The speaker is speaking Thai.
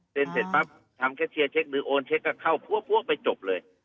เสร็จปั๊บทำแคชเชียร์เช็คหรือโอนเช็คก็เข้าปั้วไปจบเลย